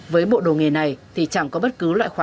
với bộ đồ nghề này thì chẳng có bất cứ loại khóa